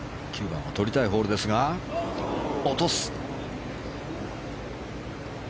９番は取りたいホールですが落とす。